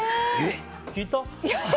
聞いた？